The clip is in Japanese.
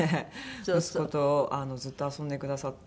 息子とずっと遊んでくださって。